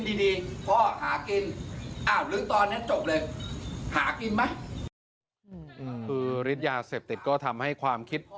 คือฤทธิ์ยาเสพติดก็ทำให้ความคิด